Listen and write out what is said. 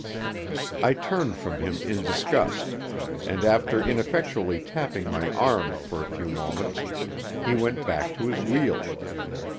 I turned from him in disgust, and, after ineffectually tapping my arm for a few moments, he went back to his wheel.